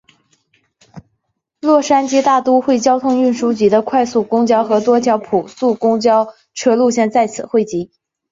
洛杉矶大都会交通运输局的快速公交和多条普速公交车线路在此汇集。